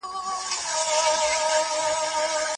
د پرون ورځي غمان پرېږدئ.